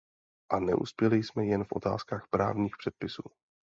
A neuspěli jsme jen v otázkách právních předpisů.